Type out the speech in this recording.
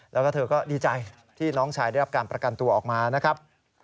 แล้วก็เธอก็ดีใจที่น้องชายได้รับการประกันตัวออกมานะครับ